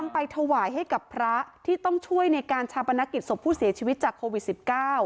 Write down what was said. เป็นศพผู้เสียชีวิตจากโควิด๑๙